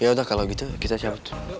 ya udah kalau gitu kita siap